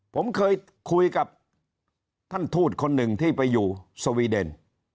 ผมเคยคุยกับท่านทูตคนหนึ่งที่ไปอยู่สวีเดน